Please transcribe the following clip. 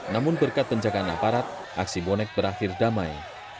namun berkat penjagaan aparat aksi bonek berakhir damai